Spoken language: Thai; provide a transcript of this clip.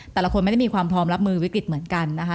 แต่ละคนไม่ได้มีความพร้อมรับมือวิกฤตเหมือนกันนะคะ